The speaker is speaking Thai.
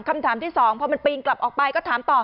คำถามที่สองพอมันปีนกลับออกไปก็ถามต่อ